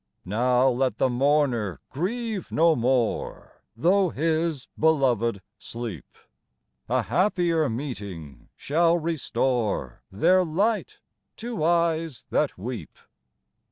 Now let the mourner grieve no more, Though his beloved sleep ; A happier meeting shall restore Their light to eyes that weep.